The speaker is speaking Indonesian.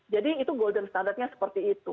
jadi itu golden standardnya seperti itu